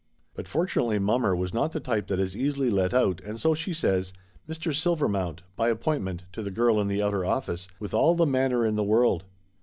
But fortunately mommer was not the type that is easily let out, and so she says "Mr. Silvermount, by appointment" to the girl in the outer office, with all the manner in the world.